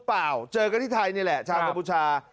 เปล่าเจอกันที่ไทยนี่แหละชาวกัมพูชา